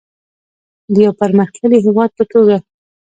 د یو پرمختللي هیواد په توګه.